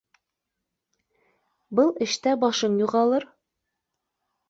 Был эштә башың юғалыр